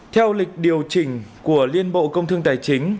theo lịch điều chỉnh của liên bộ công thương tài chính